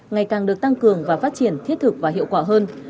ngày càng được tăng cường và phát triển thiết thực và hiệu quả hơn